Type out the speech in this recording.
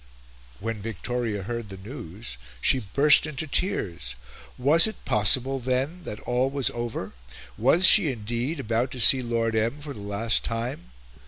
When Victoria heard the news she burst into tears. Was it possible, then, that all was over? Was she, indeed, about to see Lord M. for the last time?